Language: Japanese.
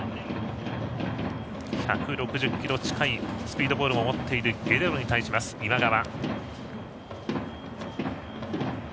１６０キロ近いスピードボールを持っているゲレーロに対します、今川。